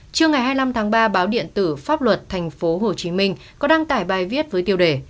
trưa ngày hai mươi năm tháng ba báo điện tử pháp luật tp hcm có đăng tải bài viết với tiêu đề